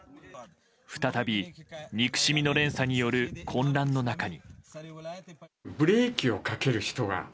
再び憎しみの連鎖による混乱の中に。